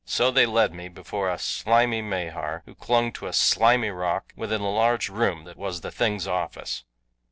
So they led me before a slimy Mahar who clung to a slimy rock within the large room that was the thing's office.